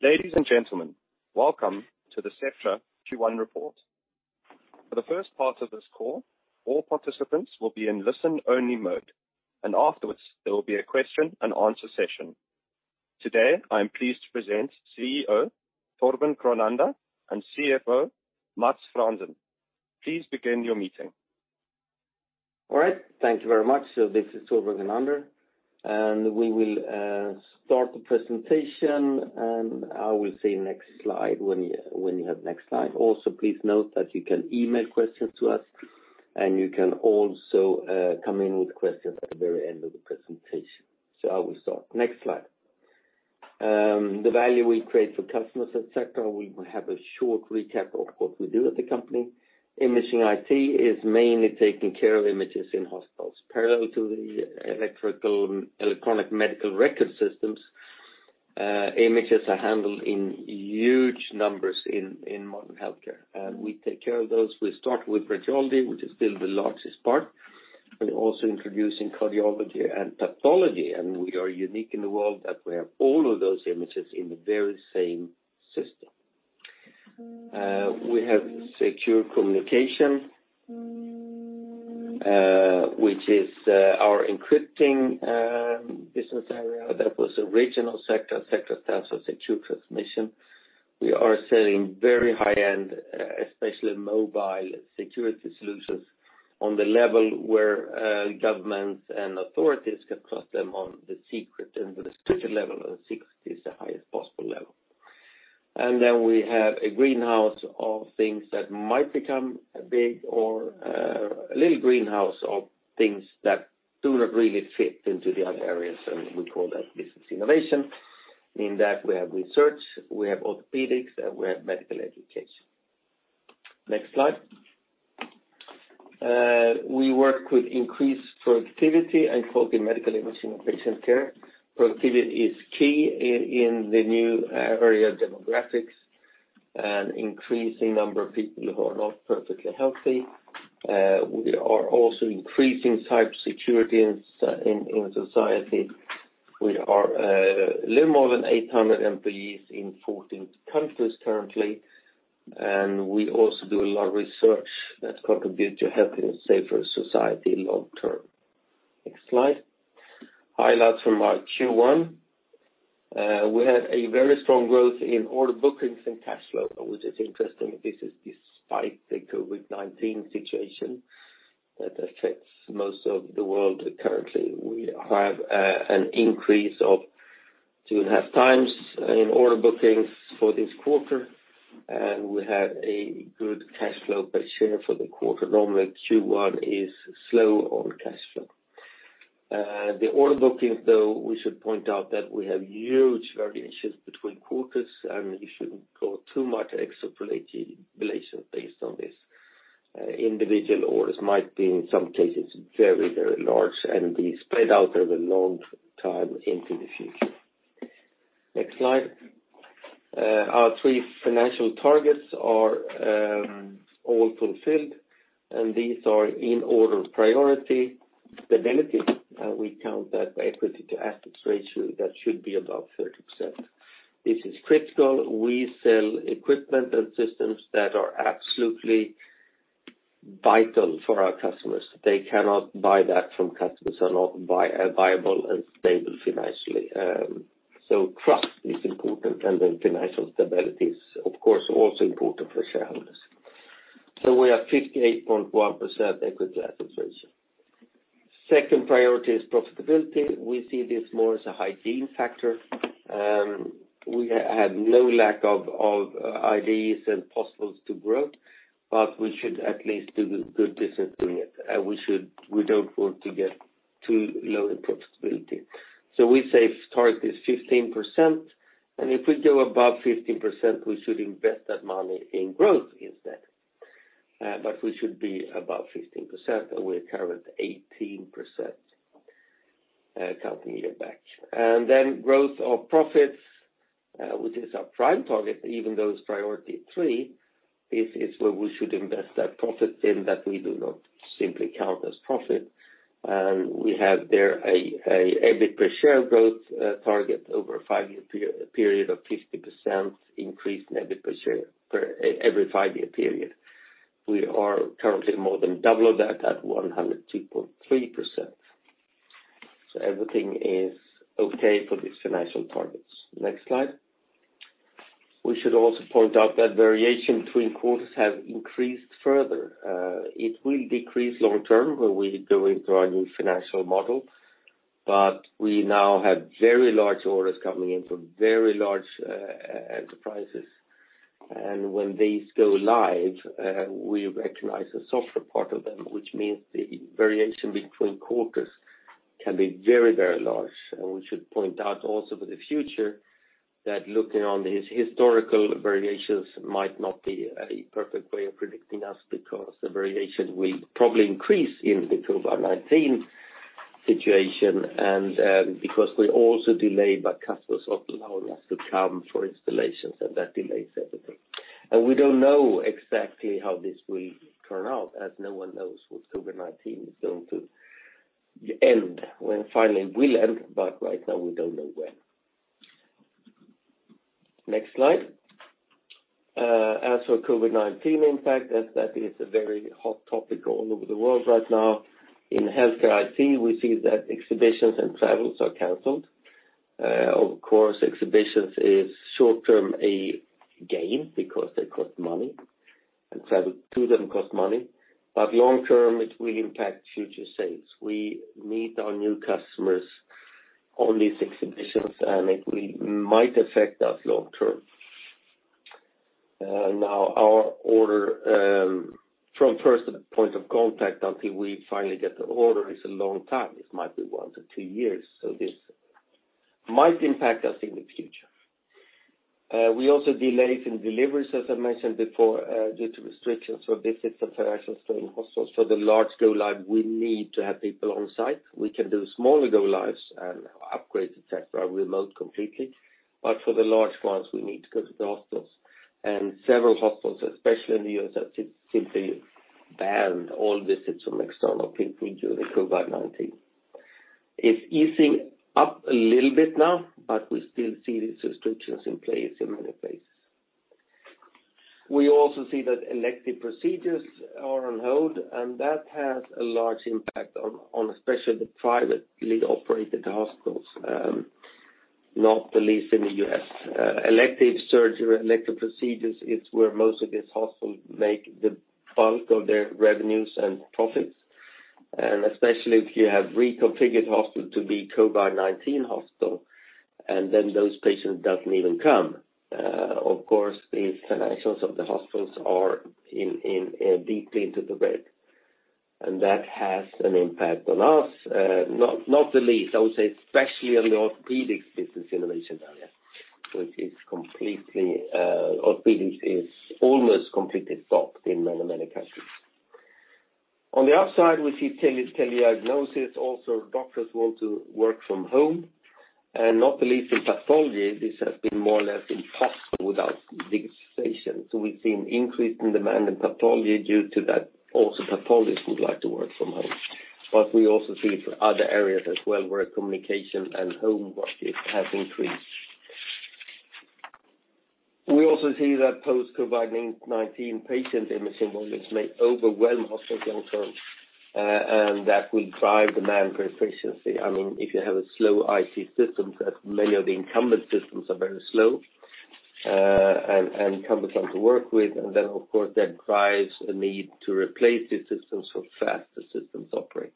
Ladies and gentlemen, welcome to the Sectra Q1 report. For the first part of this call, all participants will be in listen-only mode, and afterwards, there will be a question and answer session. Today, I am pleased to present CEO, Torbjörn Kronander, and CFO, Mats Franzén. Please begin your meeting. All right. Thank you very much. This is Torbjörn Kronander, and we will start the presentation, and I will say next slide when you have next slide. Also, please note that you can email questions to us, and you can also come in with questions at the very end of the presentation. I will start. Next slide. The value we create for customers at Sectra, we have a short recap of what we do at the company. Imaging IT is mainly taking care of images in hospitals. Parallel to the electronic medical record systems, images are handled in huge numbers in modern healthcare. We take care of those. We start with radiology, which is still the largest part, but also introducing cardiology and pathology. We are unique in the world that we have all of those images in the very same system. We have Secure Communications, which is our encrypting business area. That was original Sectra. Sectra stands for Secure Transmission. We are selling very high-end, especially mobile security solutions on the level where governments and authorities can trust them on the secret and the restricted level, and secret is the highest possible level. Then we have a greenhouse of things that might become big or a little greenhouse of things that do not really fit into the other areas, and we call that Business Innovation. In that, we have research, we have orthopedics, and we have medical education. Next slide. We work with increased productivity and focus on medical imaging and patient care. Productivity is key in the new area demographics, and increasing number of people who are not perfectly healthy. We are also increasing cybersecurity in society. We are a little more than 800 employees in 14 countries currently. We also do a lot of research that contribute to a healthy and safer society long term. Next slide. Highlights from our Q1. We had a very strong growth in order bookings and cash flow, which is interesting. This is despite the COVID-19 situation that affects most of the world currently. We have an increase of two and a half times in order bookings for this quarter, and we had a good cash flow per share for the quarter. Normally, Q1 is slow on cash flow. The order bookings, though, we should point out that we have huge variations between quarters, and you shouldn't go too much extrapolation based on this. Individual orders might be, in some cases, very large and be spread out over a long time into the future. Next slide. Our three financial targets are all fulfilled. These are in order of priority. Stability, we count that by equity to assets ratio, that should be above 30%. This is critical. We sell equipment and systems that are absolutely vital for our customers. They cannot buy that from customers that are not viable and stable financially. Trust is important, and the financial stability is, of course, also important for shareholders. We are at 58.1% equity to assets ratio. Second priority is profitability. We see this more as a hygiene factor. We have no lack of ideas and possibilities to grow, but we should at least do good business doing it. We don't want to get too low in profitability. We say target is 15%, and if we go above 15%, we should invest that money in growth instead. We should be above 15%, and we are currently at 18% counting year back. Growth of profits, which is our prime target, even though it's priority three, is where we should invest that profit in, that we do not simply count as profit. We have there a EBIT per share growth target over a five-year period of 50% increase in EBIT per share every five-year period. We are currently more than double that at 102.3%. Everything is okay for these financial targets. Next slide. We should also point out that variation between quarters have increased further. It will decrease long term when we go into our new financial model, but we now have very large orders coming in from very large enterprises. When these go live, we recognize the software part of them, which means the variation between quarters can be very large. We should point out also for the future, that looking on these historical variations might not be a perfect way of predicting us because the variation will probably increase in the COVID-19 situation and because we're also delayed by customers not allowing us to come for installations, and that delays everything. We don't know exactly how this will turn out, as no one knows when COVID-19 is going to end, when it finally will end. Right now, we don't know when. Next slide. As for COVID-19 impact, as that is a very hot topic all over the world right now. In healthcare IT, we see that exhibitions and travels are canceled. Of course, exhibitions is short-term a gain because they cost money, and travel to them costs money. Long-term, it will impact future sales. We meet our new customers on these exhibitions, and it might affect us long-term. Now our order from first point of contact until we finally get the order is a long time. It might be one to two years, this might impact us in the future. We also delays in deliveries, as I mentioned before, due to restrictions for visits of financials to hospitals. For the large go-live, we need to have people on site. We can do smaller go-lives and upgrades, et cetera, remote completely. For the large ones, we need to go to the hospitals. Several hospitals, especially in the U.S., have just simply banned all visits from external people during COVID-19. It's easing up a little bit now, but we still see these restrictions in place in many places. We also see that elective procedures are on hold, and that has a large impact on especially the privately operated hospitals, not the least in the U.S. Elective surgery or elective procedures is where most of these hospitals make the bulk of their revenues and profits, and especially if you have reconfigured hospital to be COVID-19 hospital, and then those patients don't even come. Of course, these financials of the hospitals are deeply into the red, and that has an impact on us. Not the least, I would say, especially on the Orthopedics Business Innovation area. Orthopedics is almost completely stopped in many, many countries. On the upside, we see telediagnosis. Also, doctors want to work from home, and not the least in pathology. This has been more or less impossible without digitization. We've seen increase in demand in pathology due to that. Pathologists would like to work from home. We also see it for other areas as well, where communication and home working has increased. We also see that post-COVID-19 patient imaging volumes may overwhelm hospitals long-term. That will drive demand for efficiency. If you have a slow IT system, because many of the incumbent systems are very slow and cumbersome to work with, then, of course, that drives a need to replace these systems for faster systems operate.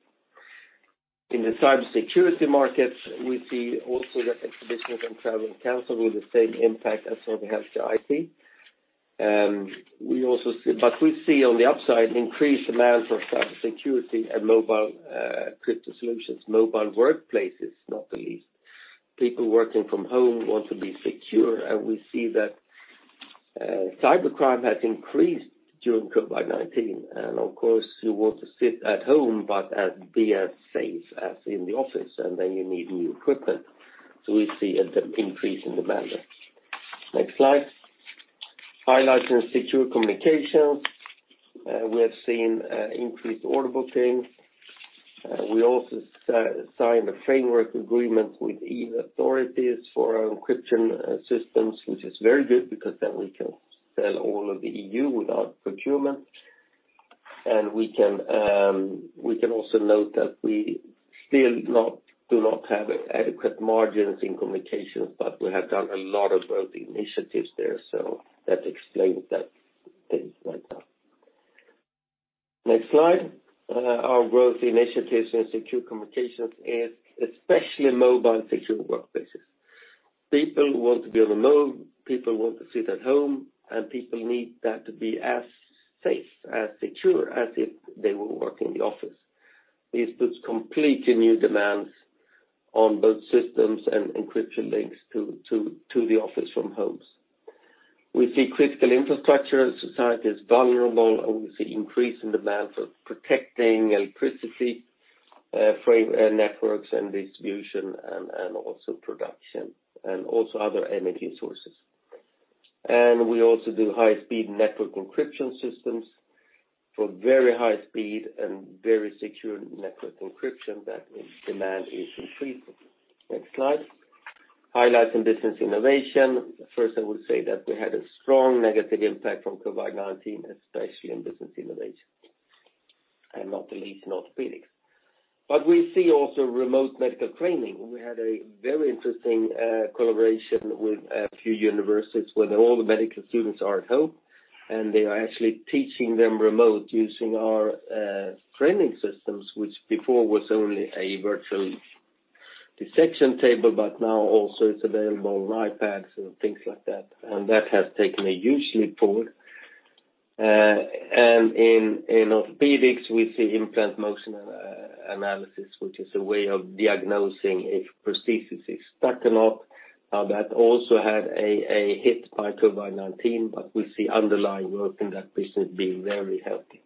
In the cybersecurity markets, we see also that exhibitions and travel canceled with the same impact as for the healthcare IT. We see on the upside an increased demand for cybersecurity and mobile crypto solutions, mobile workplaces, not the least. People working from home want to be secure. We see that cybercrime has increased during COVID-19. Of course, you want to sit at home, but be as safe as in the office, and then you need new equipment. We see an increase in demand there. Next slide. Highlights in Secure Communications. We have seen increased order bookings. We also signed a framework agreement with E.U. authorities for our encryption systems, which is very good because then we can sell all of the E.U. without procurement. We can also note that we still do not have adequate margins in Secure Communications, but we have done a lot of growth initiatives there, so that explains that things like that. Next slide. Our growth initiatives in Secure Communications is especially mobile secure workplaces. People want to be on the move, people want to sit at home, and people need that to be as safe, as secure as if they were working in the office. This puts completely new demands on both systems and encryption links to the office from homes. We see critical infrastructure of society is vulnerable, and we see increase in demands of protecting electricity networks and distribution and also production, and also other energy sources. We also do high-speed network encryption systems for very high speed and very secure network encryption that demand is increasing. Next slide. Highlights in Business Innovation. First, I would say that we had a strong negative impact from COVID-19, especially in Business Innovation, and not the least in orthopedics. We see also remote medical training. We had a very interesting collaboration with a few universities where all the medical students are at home. They are actually teaching them remote using our training systems, which before was only a virtual dissection table, but now also it's available on iPads and things like that. That has taken a huge leap forward. In orthopedics, we see Implant Movement Analysis, which is a way of diagnosing if prosthesis is stuck or not. That also had a hit by COVID-19. We see underlying work in that business being very healthy.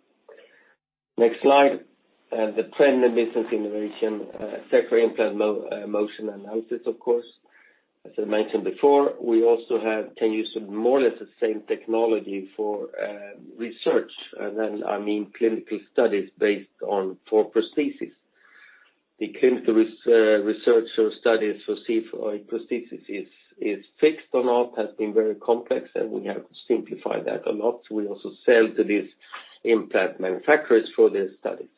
Next slide. The trend in Business Innovation, Sectra Implant Movement Analysis, of course. As I mentioned before, we also can use more or less the same technology for research. Then, I mean clinical studies based on for prosthesis. The clinical research studies for prosthesis is fixed on, has been very complex, and we have simplified that a lot. We also sell to these implant manufacturers for their studies.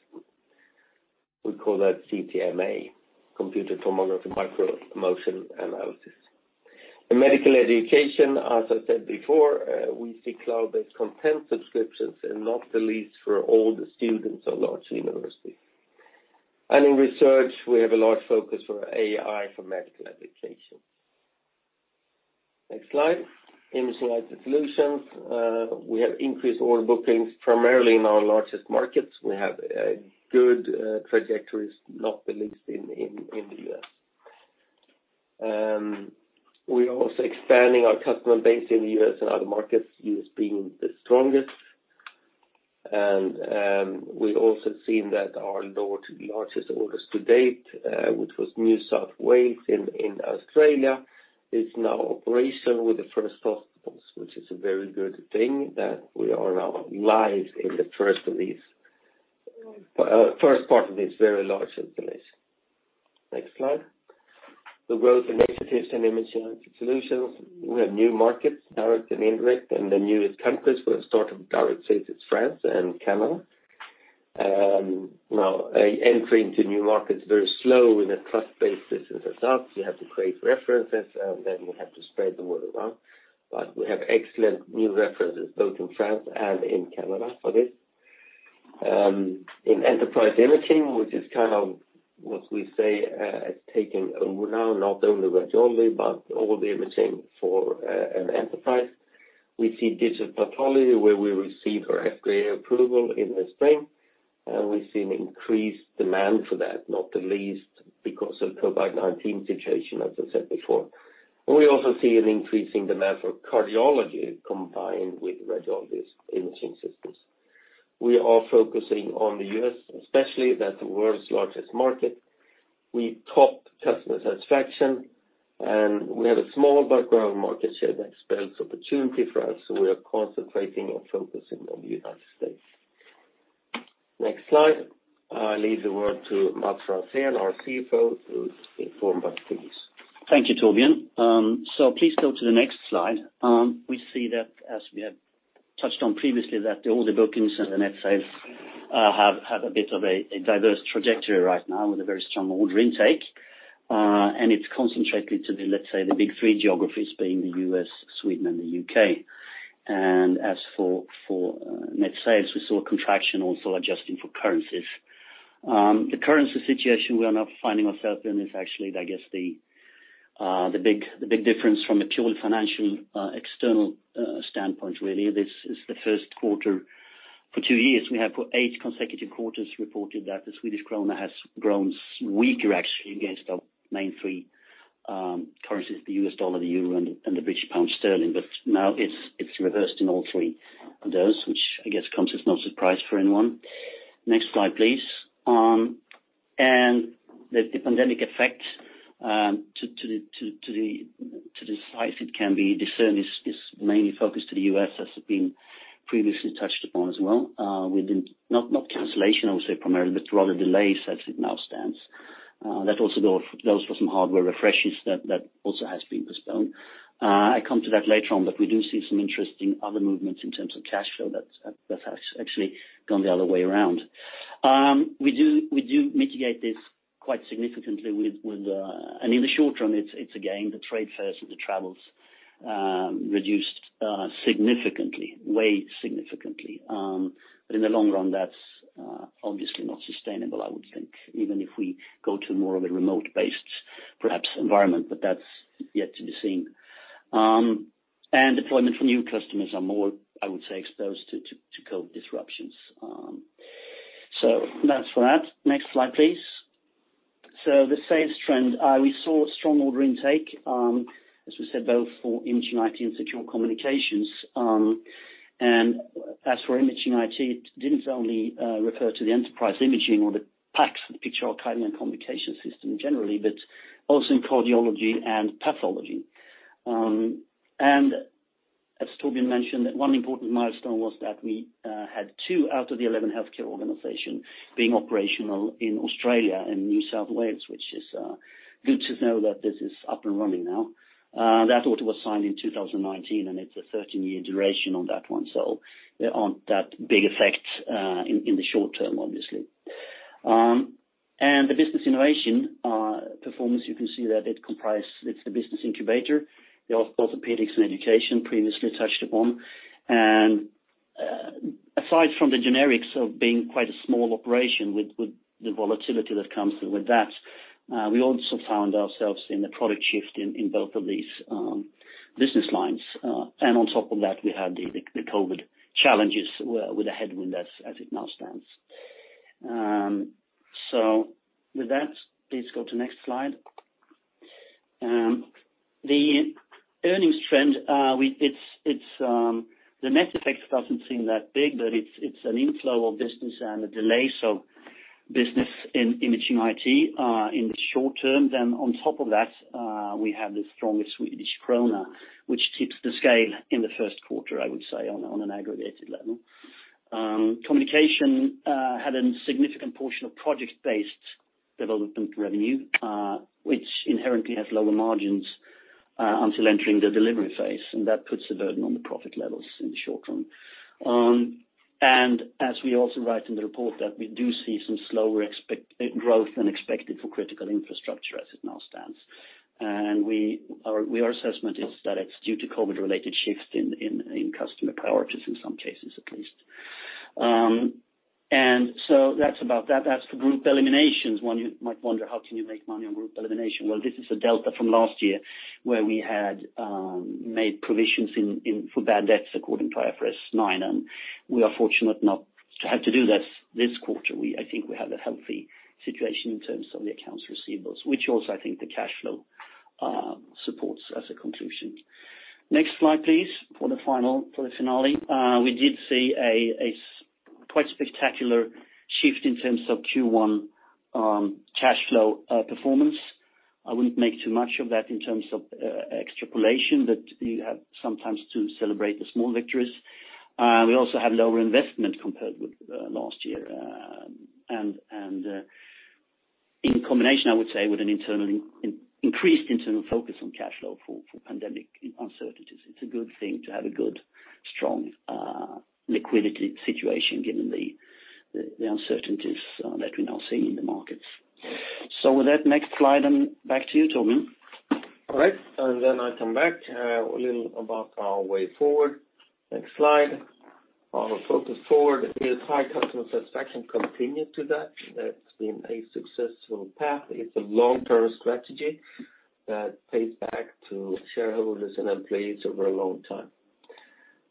We call that CTMA, Computed Tomography Micromotion Analysis. In medical education, as I said before, we see cloud-based content subscriptions, and not the least for all the students of large universities. In research, we have a large focus for AI for medical applications. Next slide. Imaging IT Solutions. We have increased order bookings primarily in our largest markets. We have good trajectories, not the least in the U.S. We're also expanding our customer base in the U.S. and other markets, U.S. being the strongest. We also seen that our largest orders to date, which was New South Wales in Australia, is now operational with the first hospitals, which is a very good thing that we are now live in the first part of this very large installation. Next slide. The growth initiatives in Imaging IT Solutions. We have new markets, direct and indirect, and the newest countries where the start of direct sales is France and Canada. Entry into new markets, very slow in a trust-based business as ours. You have to create references, and then you have to spread the word around. We have excellent new references both in France and in Canada for this. In enterprise imaging, which is what we say, taking over now, not only radiologically, but all the imaging for an enterprise. We see digital pathology where we receive our FDA approval in the spring, and we've seen increased demand for that, not the least because of COVID-19 situation, as I said before. We also see an increasing demand for cardiology combined with radiology's imaging systems. We are focusing on the U.S. especially, that's the world's largest market. We top customer satisfaction, and we have a small but growing market share that spells opportunity for us, so we are concentrating on focusing on the United States. Next slide. I leave the word to Mats Franzén, our CFO, to inform about this. Thank you, Torbjörn. Please go to the next slide. We see that as we have touched on previously, that all the bookings and the net sales have a bit of a diverse trajectory right now with a very strong order intake. It's concentrated to the, let's say, the big three geographies being the U.S., Sweden, and the U.K. As for net sales, we saw a contraction also adjusting for currencies. The currency situation we are now finding ourselves in is actually, I guess, the big difference from a purely financial external standpoint, really. This is the first quarter for two years. We have for eight consecutive quarters reported that the Swedish krona has grown weaker, actually, against our main three currencies, the U.S. dollar, the Euro, and the British pound sterling. Now it's reversed in all three of those, which, I guess, comes as no surprise for anyone. Next slide, please. The pandemic effect to the site, it can be discerned, is mainly focused to the U.S. as has been previously touched upon as well within not cancellation, I would say primarily, but rather delays as it now stands. That also goes for some hardware refreshes that also has been postponed. I come to that later on, but we do see some interesting other movements in terms of cash flow that has actually gone the other way around. We do mitigate this quite significantly and in the short term, it's again, the trade fairs and the travels reduced significantly, way significantly. In the long run, that's obviously not sustainable, I would think, even if we go to more of a remote-based, perhaps, environment, but that's yet to be seen. Deployment for new customers are more, I would say, exposed to COVID disruptions. That's for that. Next slide, please. The sales trend. We saw strong order intake, as we said, both for Imaging IT and Secure Communications. As for Imaging IT, it didn't only refer to the enterprise imaging or the PACS, the picture archiving and communication system generally, but also in cardiology and pathology. As Torbjörn mentioned, one important milestone was that we had two out of the 11 healthcare organization being operational in Australia and New South Wales, which is good to know that this is up and running now. That order was signed in 2019, it's a 13-year duration on that one, so there aren't that big effect in the short term, obviously. The Business Innovation performance, you can see that it's the business incubator, the orthopedics and education previously touched upon. Aside from the generics of being quite a small operation with the volatility that comes with that, we also found ourselves in a product shift in both of these business lines. On top of that, we had the COVID challenges with a headwind as it now stands. With that, please go to next slide. The earnings trend, the net effect doesn't seem that big, but it's an inflow of business and a delay, business in Imaging IT in the short term. On top of that, we have the strongest Swedish krona, which tips the scale in the first quarter, I would say, on an aggregated level. Secure Communications had a significant portion of project-based development revenue, which inherently has lower margins until entering the delivery phase. That puts a burden on the profit levels in the short term. As we also write in the report, that we do see some slower growth than expected for critical infrastructure as it now stands. Our assessment is that it's due to COVID-19-related shifts in customer priorities, in some cases, at least. That's about that. As for group eliminations, one might wonder how can you make money on group elimination? Well, this is a delta from last year where we had made provisions for bad debts according to IFRS 9. We are fortunate not to have to do that this quarter. I think we have a healthy situation in terms of the accounts receivables, which also, I think the cash flow supports as a conclusion. Next slide, please. For the finale. We did see a quite spectacular shift in terms of Q1 cash flow performance. I wouldn't make too much of that in terms of extrapolation, but you have sometimes to celebrate the small victories. We also had lower investment compared with last year. In combination, I would say, with an increased internal focus on cash flow for pandemic uncertainties, it's a good thing to have a good, strong liquidity situation given the uncertainties that we now see in the markets. With that next slide, back to you, Torbjörn. All right, I come back. A little about our way forward. Next slide. Our focus forward is high customer satisfaction, continue to that. That's been a successful path. It's a long-term strategy that pays back to shareholders and employees over a long time.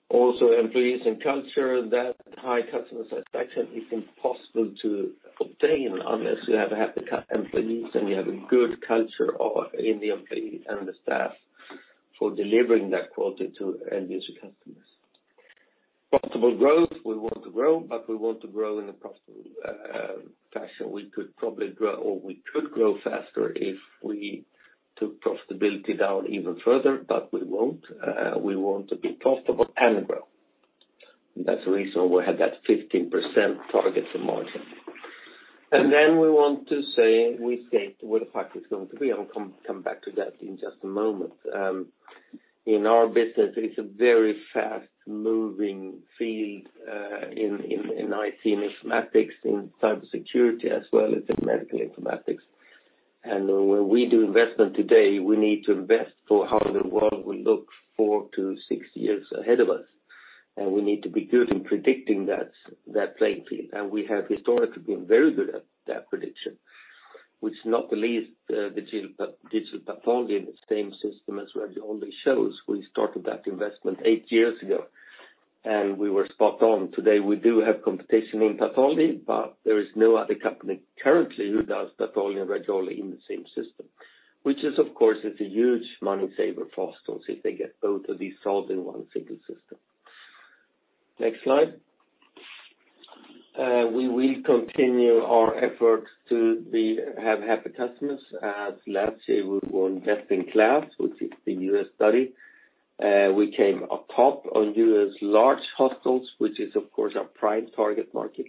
Employees and culture, that high customer satisfaction is impossible to obtain unless you have happy employees and you have a good culture in the employees and the staff for delivering that quality to end-user customers. Possible growth. We want to grow, we want to grow in a profitable fashion. We could grow faster if we took profitability down even further, we won't. We want to be profitable and grow. That's the reason we have that 15% target of margin. Then we want to say we skate where the puck is going to be, and I'll come back to that in just a moment. In our business, it's a very fast-moving field in IT, in informatics, in cybersecurity, as well as in medical informatics. When we do investment today, we need to invest for how the world will look four to six years ahead of us. We need to be good in predicting that playing field. We have historically been very good at that prediction, which not the least, digital pathology in the same system as radiology only shows we started that investment eight years ago, and we were spot on. Today, we do have competition in pathology, but there is no other company currently who does pathology and radiology in the same system, which of course, is a huge money saver for hospitals if they get both of these solved in one single system. Next slide. We will continue our efforts to have happy customers. Last year, we won Best in KLAS, which is the U.S. study. We came up top on U.S. large hospitals, which is of course our prime target market.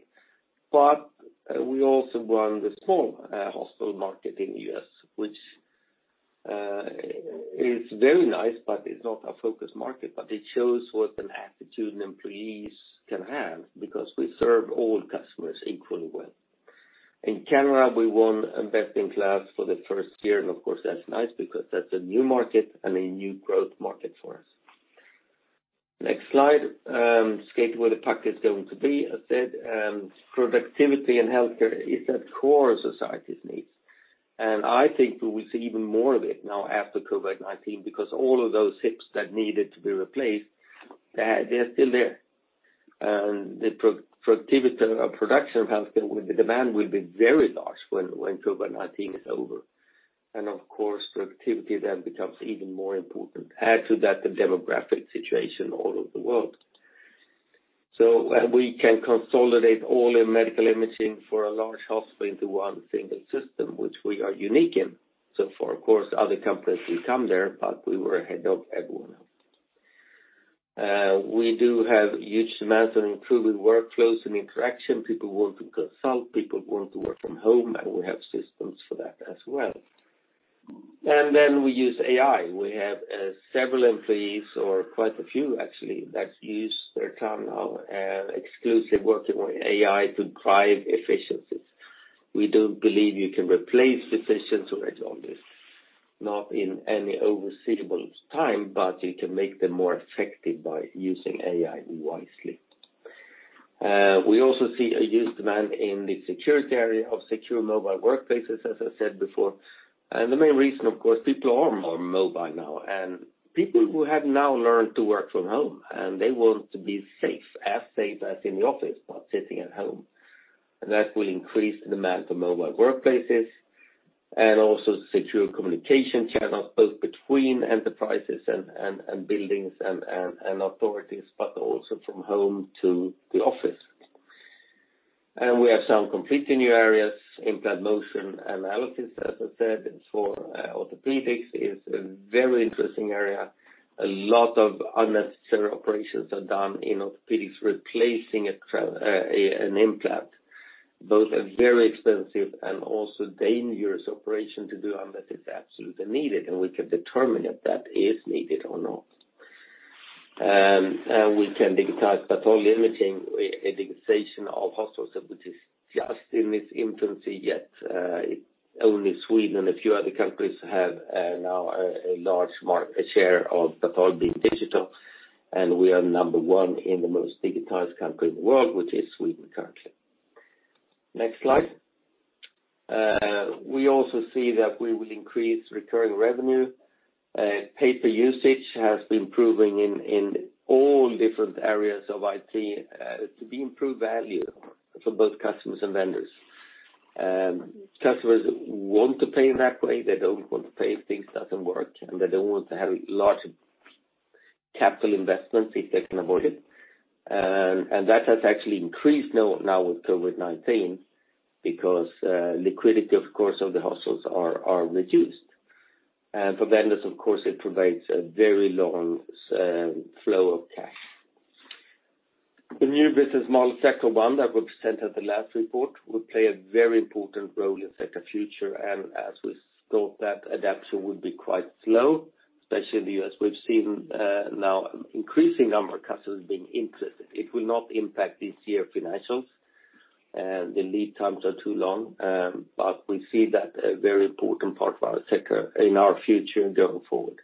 We also won the small hospital market in the U.S., which is very nice, but it's not our focus market. It shows what an attitude employees can have because we serve all customers equally well. In Canada, we won Best in KLAS for the first year, and of course, that's nice because that's a new market and a new growth market for us. Next slide. Skate where the puck is going to be. As said, productivity and healthcare is at core of society's needs. I think we will see even more of it now after COVID-19 because all of those hips that needed to be replaced, they're still there. The production of healthcare with the demand will be very large when COVID-19 is over. Of course, productivity then becomes even more important. Add to that the demographic situation all over the world. We can consolidate all the medical imaging for a large hospital into one single system, which we are unique in. Far, of course, other companies will come there, but we were ahead of everyone else. We do have huge demands on improving workflows and interaction. People want to consult, people want to work from home, and we have systems for that as well. Then we use AI. We have several employees or quite a few actually that use their time now exclusively working on AI to drive efficiencies. We don't believe you can replace physicians or radiologists, not in any foreseeable time, but you can make them more effective by using AI wisely. We also see a huge demand in the security area of secure mobile workplaces, as I said before. The main reason, of course, people are more mobile now, and people who have now learned to work from home, and they want to be safe, as safe as in the office while sitting at home. That will increase the demand for mobile workplaces and also secure communication channels both between enterprises and buildings and authorities, but also from home to the office. We have some completely new areas, Implant Movement Analysis, as I said, for orthopedics. It's a very interesting area. A lot of unnecessary operations are done in orthopedics replacing an implant. Those are very expensive and also dangerous operation to do unless it's absolutely needed, and we can determine if that is needed or not. We can digitize pathology imaging, a digitization of hospitals that which is just in its infancy, yet only Sweden, a few other countries have now a large market share of digital pathology, and we are number one in the most digitized country in the world, which is Sweden currently. Next slide. We also see that we will increase recurring revenue. Pay-Per-Use has been proving in all different areas of IT to be improved value for both customers and vendors. Customers want to pay in that way. They don't want to pay if things doesn't work, and they don't want to have large capital investments if they can avoid it. That has actually increased now with COVID-19 because liquidity, of course, of the hospitals are reduced. For vendors, of course, it provides a very long flow of cash. The new business model, Sectra One, that we presented the last report, will play a very important role in Sectra future. As we thought that adaption would be quite slow, especially in the U.S., we've seen now increasing number of customers being interested. It will not impact this year financials. The lead times are too long. We see that a very important part for our Sectra in our future going forward.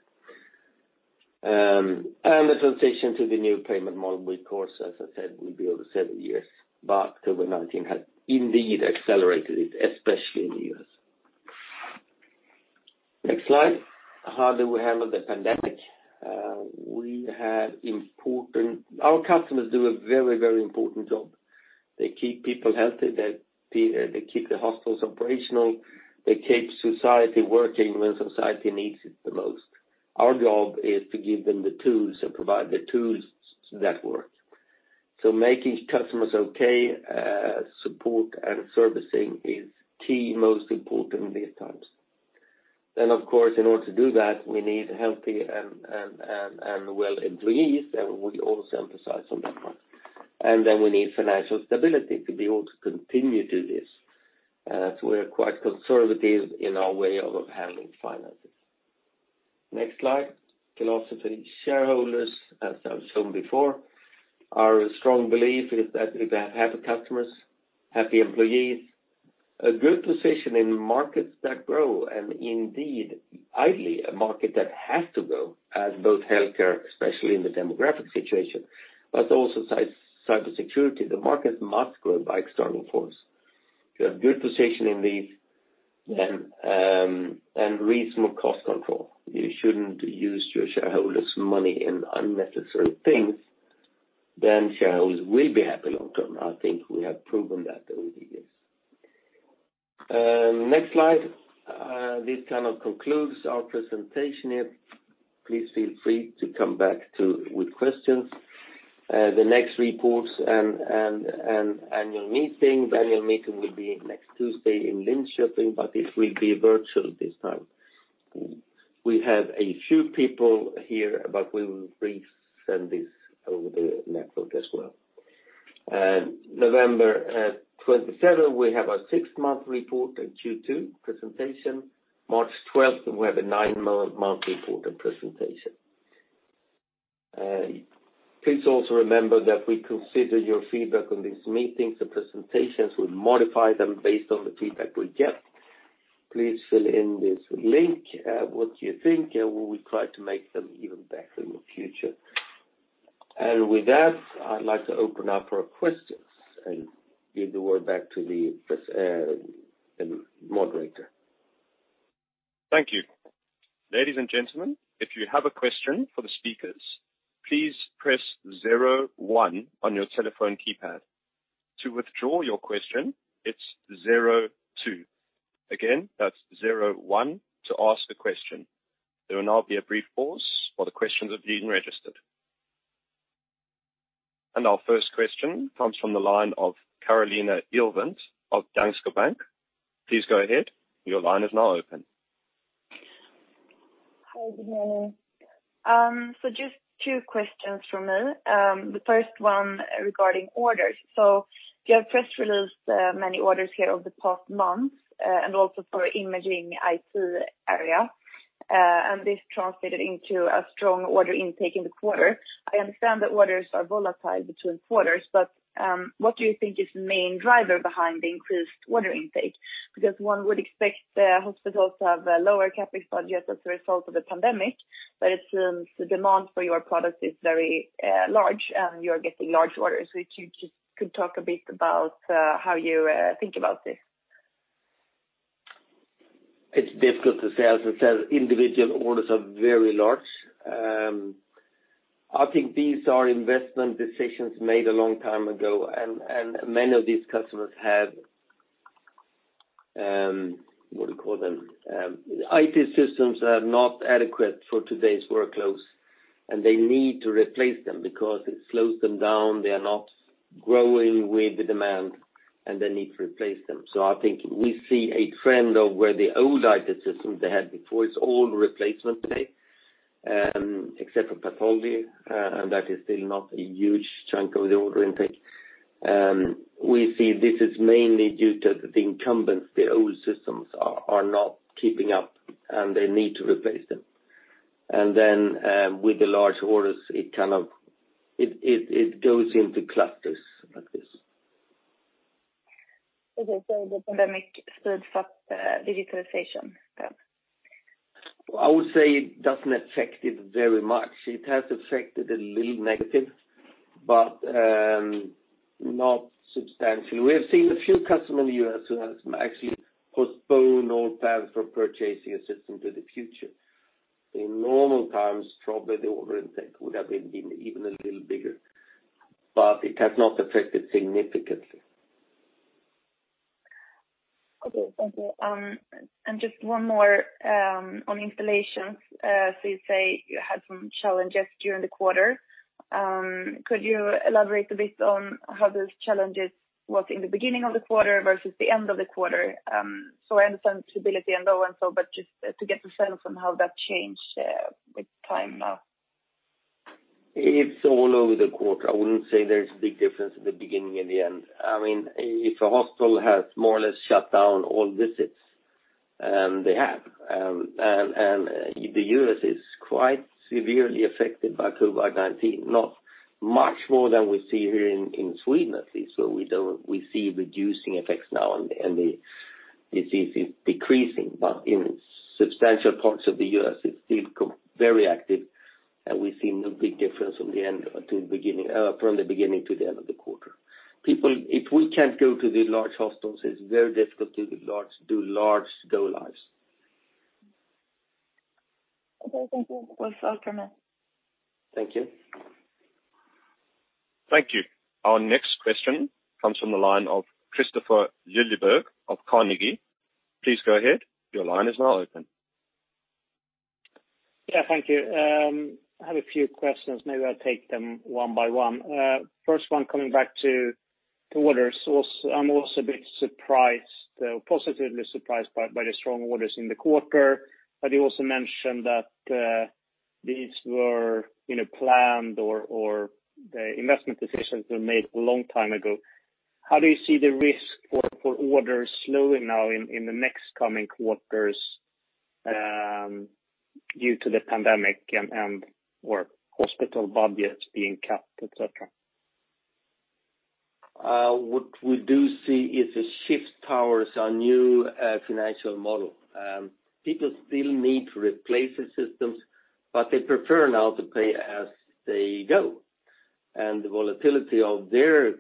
The transition to the new payment model will, of course, as I said, will be over seven years. COVID-19 has indeed accelerated it, especially in the U.S. Next slide. How do we handle the pandemic? Our customers do a very important job. They keep people healthy. They keep the hospitals operational. They keep society working when society needs it the most. Our job is to give them the tools and provide the tools that work. Making customers okay, support and servicing is key, most important in these times. Of course, in order to do that, we need healthy and well employees, and we also emphasize on that one. We need financial stability to be able to continue to do this. We're quite conservative in our way of handling finances. Next slide. Philosophy. Shareholders, as I've shown before, our strong belief is that if we have happy customers, happy employees, a good position in markets that grow, and indeed, ideally, a market that has to grow as both healthcare, especially in the demographic situation, but also cybersecurity. The markets must grow by external force. You have good position in these and reasonable cost control. You shouldn't use your shareholders' money in unnecessary things, then shareholders will be happy long-term. I think we have proven that over the years. Next slide. This kind of concludes our presentation here. Please feel free to come back with questions. The next reports and annual meeting will be next Tuesday in Linköping, but it will be virtual this time. We have a few people here, but we will resend this over the network as well. November 27th, we have our sixth-month report at Q2 presentation. March 12th, we have a nine-month report and presentation. Please also remember that we consider your feedback on these meetings and presentations. We modify them based on the feedback we get. Please fill in this link, what you think, and we will try to make them even better in the future. With that, I'd like to open up for questions and give the word back to the moderator. Thank you. Ladies and gentlemen, if you have a question for the speakers, please press zero one on your telephone keypad. To withdraw your question, it's zero two. Again, that's zero one to ask a question. There will now be a brief pause while the questions are being registered. Our first question comes from the line of Carolina Elvind of Danske Bank. Please go ahead. Your line is now open. Hi. Just two questions from me. The first one regarding orders. You have press released many orders here over the past month and also for Imaging IT area and this translated into a strong order intake in the quarter. I understand that orders are volatile between quarters. What do you think is the main driver behind the increased order intake? One would expect hospitals to have a lower CapEx budget as a result of the pandemic, but it seems the demand for your product is very large and you're getting large orders. If you just could talk a bit about how you think about this. It's difficult to say as I said individual orders are very large. I think these are investment decisions made a long time ago, and many of these customers have, what do you call them? IT systems that are not adequate for today's workloads, and they need to replace them because it slows them down. They are not growing with the demand, and they need to replace them. I think we see a trend of where the old IT systems they had before, it's all replacement today, except for pathology, and that is still not a huge chunk of the order intake. We see this is mainly due to the incumbents. The old systems are not keeping up, and they need to replace them. With the large orders, it goes into clusters like this. The pandemic sped up digitalization then? I would say it doesn't affect it very much. It has affected a little negative, but not substantially. We have seen a few customers in the U.S. who have actually postponed all plans for purchasing a system to the future. In normal times, probably the order intake would have been even a little bigger, but it has not affected significantly. Okay, thank you. Just one more, on installations. You say you had some challenges during the quarter. Could you elaborate a bit on how those challenges was in the beginning of the quarter versus the end of the quarter? I understand stability and so and so, but just to get a sense on how that changed with time now. It's all over the quarter. I wouldn't say there's a big difference at the beginning and the end. If a hospital has more or less shut down all visits, and they have, and the U.S. is quite severely affected by COVID-19, not much more than we see here in Sweden, at least, where we see reducing effects now, and the disease is decreasing. In substantial parts of the U.S., it's still very active, and we see no big difference from the beginning to the end of the quarter. If we can't go to the large hospitals, it's very difficult to do large go-lives. Okay, thank you. That was all from me. Thank you. Thank you. Our next question comes from the line of Kristofer Liljeberg of Carnegie. Please go ahead. Your line is now open. Yeah, thank you. I have a few questions. Maybe I'll take them one by one. First one, coming back to orders. I'm also a bit positively surprised by the strong orders in the quarter. You also mentioned that these were planned or the investment decisions were made a long time ago. How do you see the risk for orders slowing now in the next coming quarters due to the pandemic and/or hospital budgets being cut, et cetera? What we do see is a shift towards a new financial model. People still need to replace the systems, but they prefer now to pay as they go. The volatility of their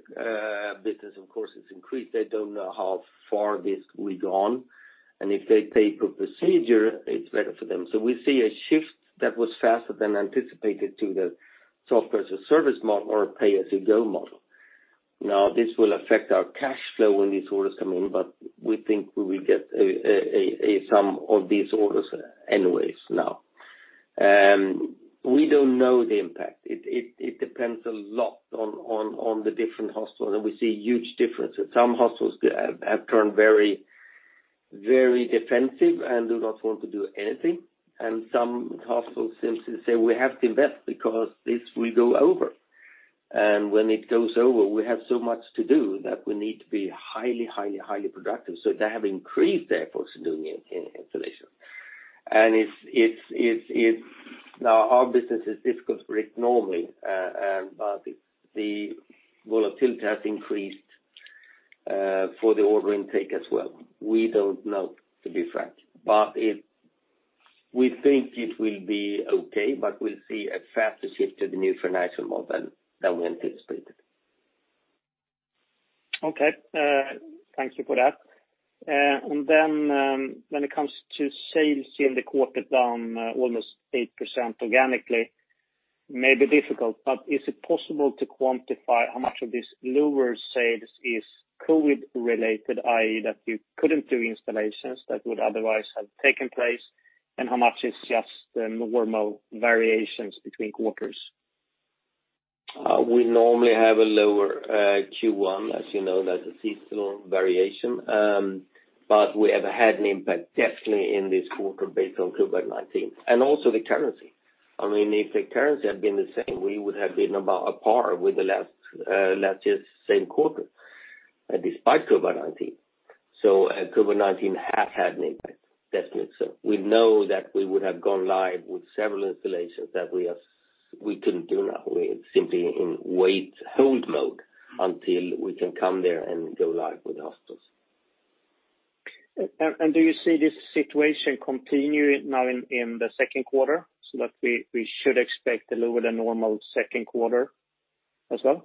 business, of course, has increased. They don't know how far this will go on, and if they pay per procedure, it's better for them. We see a shift that was faster than anticipated to the software as a service model or pay-as-you-go model. This will affect our cash flow when these orders come in, but we think we will get a sum of these orders anyways now. We don't know the impact. It depends a lot on the different hospitals, and we see huge differences. Some hospitals have turned very defensive and do not want to do anything, and some hospitals simply say, "We have to invest because this will go over. When it goes over, we have so much to do that we need to be highly productive. They have increased their efforts in doing installation. Our business is difficult to predict normally, but the volatility has increased for the order intake as well. We don't know, to be frank. We think it will be okay, but we'll see a faster shift to the new financial model than we anticipated. Okay. Thank you for that. When it comes to sales in the quarter, down almost 8% organically. May be difficult, but is it possible to quantify how much of this lower sales is COVID related, i.e., that you couldn't do installations that would otherwise have taken place, and how much is just the normal variations between quarters? We normally have a lower Q1, as you know, that's a seasonal variation. We have had an impact definitely in this quarter based on COVID-19, and also the currency. If the currency had been the same, we would have been about a par with the last year's same quarter despite COVID-19. COVID-19 has had an impact, definitely so. We know that we would have gone live with several installations that we couldn't do now. We're simply in wait, hold mode until we can come there and go live with the hospitals. Do you see this situation continuing now in the second quarter, so that we should expect a lower-than-normal second quarter as well?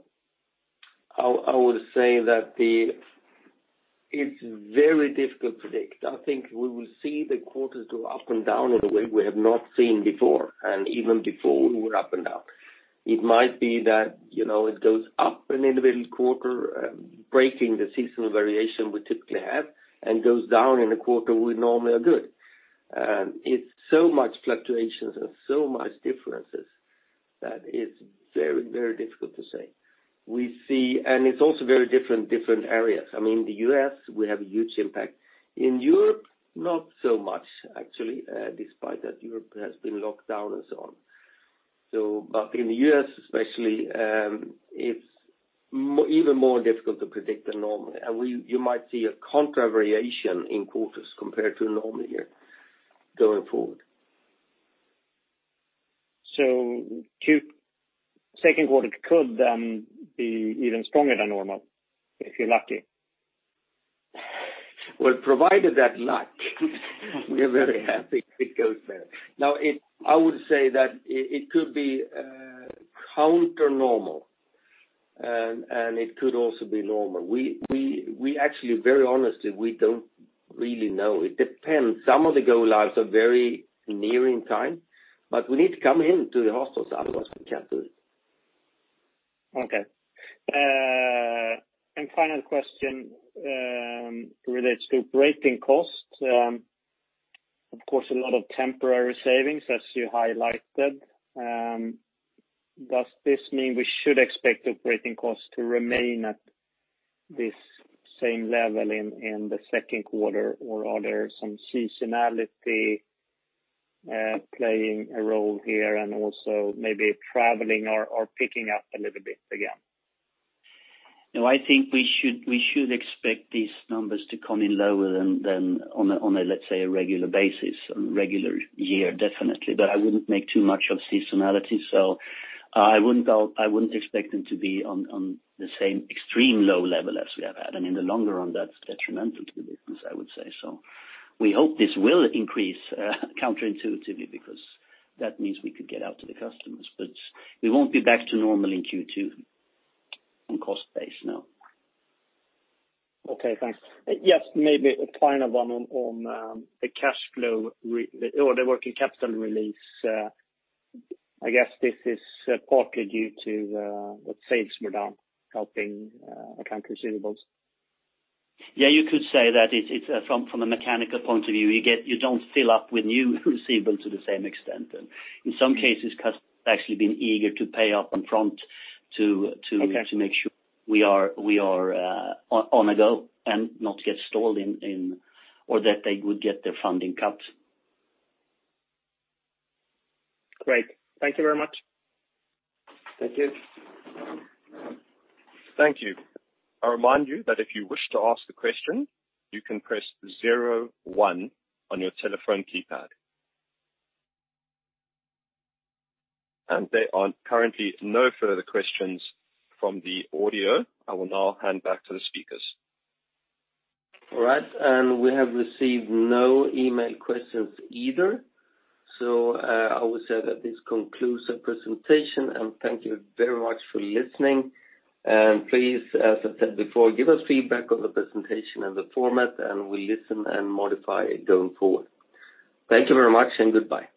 I would say that it's very difficult to predict. I think we will see the quarters go up and down in a way we have not seen before, and even before we were up and down. It might be that it goes up in the middle quarter, breaking the seasonal variation we typically have, and goes down in a quarter we normally are good. It's so much fluctuations and so much differences that it's very difficult to say. We see, it's also very different areas. I mean, the U.S., we have a huge impact. In Europe, not so much actually, despite that Europe has been locked down and so on. In the U.S. especially, it's even more difficult to predict than normal. You might see a contra variation in quarters compared to normal year going forward. Second quarter could then be even stronger than normal, if you're lucky? Well, provided that luck, we're very happy if it goes there. Now, I would say that it could be counter normal, and it could also be normal. We actually, very honestly, we don't really know. It depends. Some of the go lives are very near in time, but we need to come into the hospitals, otherwise we can't do it. Okay. Final question relates to operating costs. Of course, a lot of temporary savings as you highlighted. Does this mean we should expect operating costs to remain at this same level in the second quarter or are there some seasonality playing a role here and also maybe traveling are picking up a little bit again? No, I think we should expect these numbers to come in lower than on, let's say, a regular basis, on a regular year definitely, but I wouldn't make too much of seasonality. I wouldn't expect them to be on the same extreme low level as we have had. In the longer run, that's detrimental to the business, I would say. We hope this will increase counterintuitively because that means we could get out to the customers. We won't be back to normal in Q2 on cost base, no. Okay, thanks. Maybe a final one on the cash flow or the working capital release. I guess this is partly due to what sales were down helping account receivables. Yeah, you could say that it's from a mechanical point of view. You don't fill up with new receivables to the same extent. In some cases, customers have actually been eager to pay up front. Okay. To make sure we are on a go and not get stalled in or that they would get their funding cut. Great. Thank you very much. Thank you. Thank you. I remind you that if you wish to ask a question, you can press zero one on your telephone keypad. There are currently no further questions from the audio. I will now hand back to the speakers. All right. We have received no email questions either. I would say that this concludes the presentation, and thank you very much for listening. Please, as I said before, give us feedback on the presentation and the format, and we listen and modify it going forward. Thank you very much and goodbye.